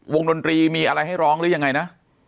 ดนตรีมีอะไรให้ร้องหรือยังไงนะ